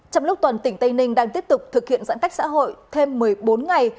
trong lúc toàn tỉnh tây ninh đang tiếp tục thực hiện giãn cách xã hội thêm một mươi bốn ngày